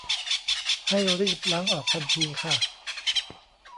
ให้รีบล้างออกทันทีค่ะ